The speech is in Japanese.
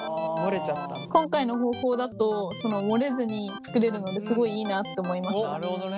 今回の方法だと漏れずに作れるのですごいいいなと思いました。